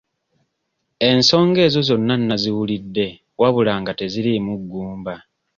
Ensonga ezo zonna nnaziwulidde wabula nga teziriimu ggumba.